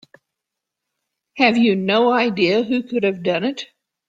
Have you no idea who could have done it?